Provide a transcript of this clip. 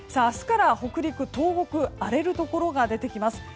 明日から北陸、東北荒れるところが出てきます。